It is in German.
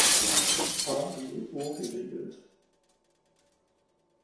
HwO geregelt.